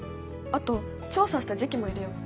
あと調査した時期も入れよう。